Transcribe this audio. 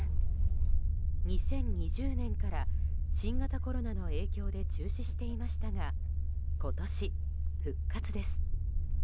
２０２０年から新型コロナの影響で中止していましたが今年、復活です。